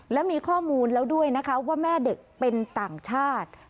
และมีข้อมูลแล้วด้วยนะคะว่าแม่เด็กเป็นต่างชาติ